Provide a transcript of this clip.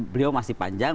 beliau masih panjang